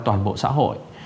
toàn bộ xã hội